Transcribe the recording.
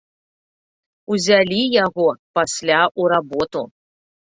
Узялі яго пасля ў работу!